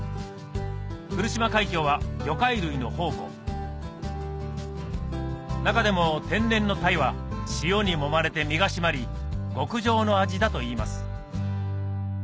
来島海峡は魚介類の宝庫中でも天然のタイは潮にもまれて身が締まり極上の味だといいます